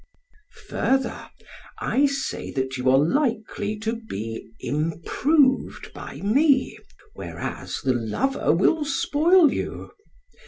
Further, I say that you are likely to be improved by me, whereas the lover will spoil you.